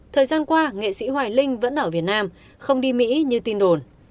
thời gian qua nghệ sĩ hoài linh vẫn ở việt nam không đi mỹ như tin đồn